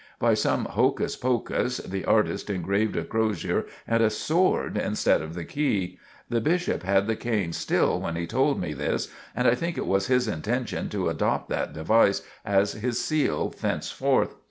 By some hocus pocus the artist engraved a crosier and a sword instead of the key. The Bishop had the cane still when he told me this, and I think it was his intention to adopt that device as his seal thenceforth.